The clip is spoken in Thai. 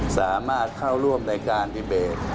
สามารถเข้าร่วมในการดีเบต